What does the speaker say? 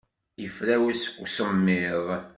Yefrawes seg usemmiḍ.